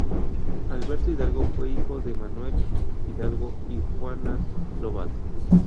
Alberto Hidalgo fue hijo de Manuel Hidalgo y Juana Lobato.